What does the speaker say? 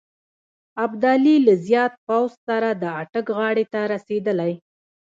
ابدالي له زیات پوځ سره د اټک غاړې ته رسېدلی.